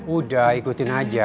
udah ikutin aja